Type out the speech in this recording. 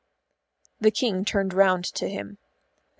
The King turned round to him.